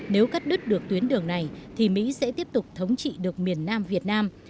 nếu các đất được tuyến đường này thì mỹ sẽ tiếp tục thống trị được miền nam việt nam